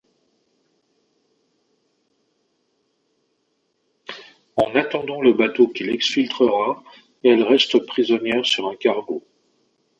En attendant le bateau qui l'exfiltrera elle reste prisonnière sur un cargo.